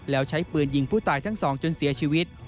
แล้วใช้ปืนยิงผู้ตายทั้งสองจนเสียชีวิต